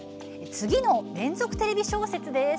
次の連続テレビ小説です。